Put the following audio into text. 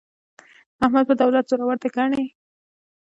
احمد په دولت زورو دی، ګني مېړونه نه لري.